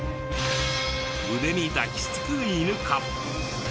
腕に抱きつく犬か？